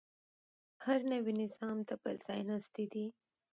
هر نوی نظام د بل ځایناستی دی.